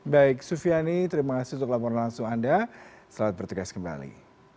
baik sufiani terima kasih untuk laporan langsung anda selamat bertugas kembali